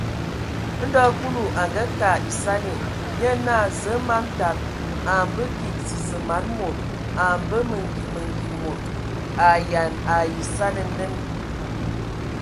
Ndo Kulu a ngakag esani, nye naa: Zǝə, man tada, a a mbǝ kig zəzə man mod. A mbə mengi mengi mod. A ayean ai esani nen !